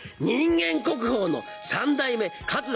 人間国宝の三代目桂